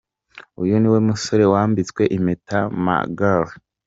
Uyu niwe musore wambitse impeta Magaly.